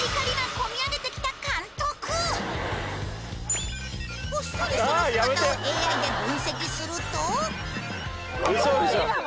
こっそりその姿をＡＩで分析すると今も？